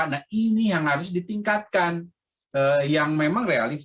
nah ini yang harus ditingkatkan yang memang realistis